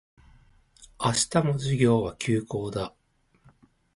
明日も授業は休講だ